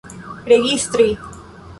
registri